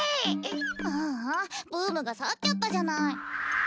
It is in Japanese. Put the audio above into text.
ああブームがさっちゃったじゃない。